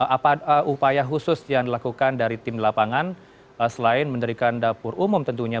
apa upaya khusus yang dilakukan dari tim lapangan selain menderikan dapur umum tentunya